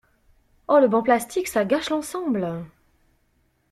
Le banc plastique, ça gâche l'ensemble.